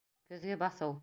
Көҙгө баҫыу...